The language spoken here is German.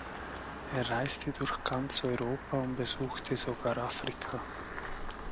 Er reiste durch ganz Europa und besuchte sogar Afrika.